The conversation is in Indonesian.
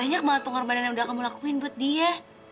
kayaknya aku sama sekali nggak berarti untuk dia